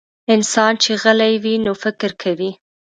انسان چې غلی وي، نو فکر کوي.